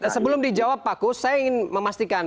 sebelum dijawab pak kus saya ingin memastikan